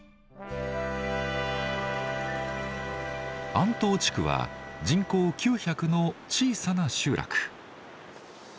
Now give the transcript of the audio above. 安島地区は人口９００の小さな集落。